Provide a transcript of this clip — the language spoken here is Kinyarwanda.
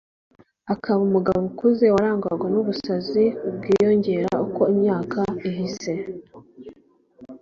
akaba umugabo ukuze, warangwaga n'ubusazi bwiyongeraga uko imyaka ihise